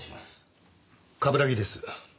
冠城です。